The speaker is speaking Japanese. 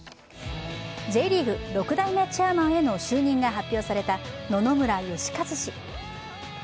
Ｊリーグ６代目チェアマンへの就任が発表された野々村芳和氏。